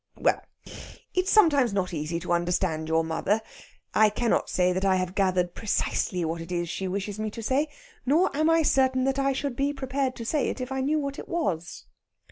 "H'm well! it's sometimes not easy to understand your mother. I cannot say that I have gathered precisely what it is she wishes me to say. Nor am I certain that I should be prepared to say it if I knew what it was."